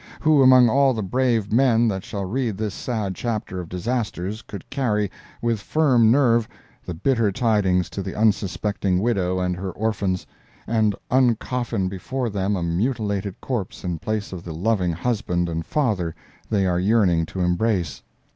Who, among all the brave men that shall read this sad chapter of disasters, could carry, with firm nerve, the bitter tidings to the unsuspecting widow and her orphans, and uncoffin before them a mutilated corpse in place of the loving husband and father they are yearning to embrace?